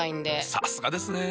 さすがですね。